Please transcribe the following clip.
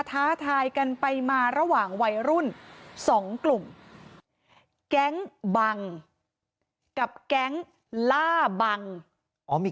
ท้าทายกันไปมาระหว่างวัยรุ่นสองกลุ่มแก๊งบังกับแก๊งล่าบังอ๋อมี